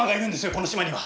この島には！